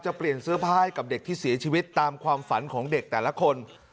เปลี่ยนเสื้อผ้าให้กับเด็กที่เสียชีวิตตามความฝันของเด็กแต่ละคน